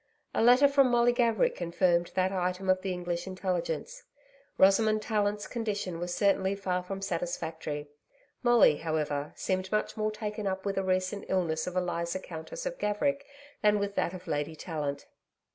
A letter from Molly Gaverick confirmed that item of the English Intelligence. Rosamond Tallant's condition was certainly far from satisfactory. Molly, however, seemed much more taken up with a recent illness of Eliza Countess of Gaverick than with that of Lady Tallant.